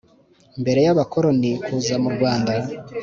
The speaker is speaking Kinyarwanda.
mbere y’abakoroni kuza m’uRwanda